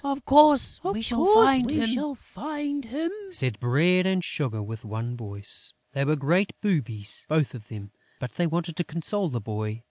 "Of course, we shall find him," said Bread and Sugar, with one voice. They were great boobies, both of them; but they wanted to console the boy.